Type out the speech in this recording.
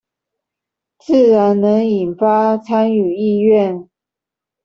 自然能引發參與意願